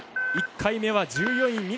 １回目は１４位